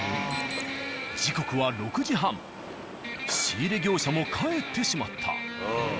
時刻は仕入れ業者も帰ってしまった。